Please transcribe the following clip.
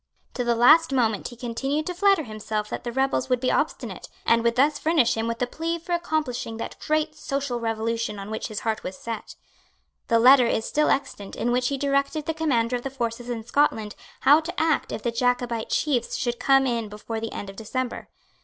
To the last moment he continued to flatter himself that the rebels would be obstinate, and would thus furnish him with a plea for accomplishing that great social revolution on which his heart was set. The letter is still extant in which he directed the commander of the forces in Scotland how to act if the Jacobite chiefs should not come in before the end of December.